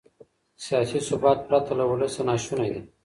سیاسي ثبات پرته له ولسه ناشونی دی.